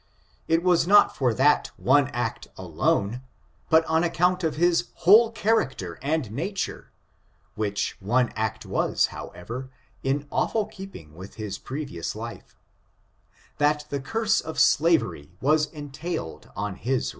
It was not for that one act alone, but on account of his whole character and nature (which one act was, how ever, in awful keeping with his previous life), that the curse of slavery was entailed on his race.